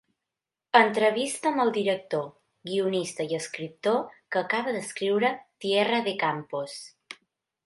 Entrevista amb el director, guionista i escriptor, que acaba d’escriure ‘Tierra de Campos’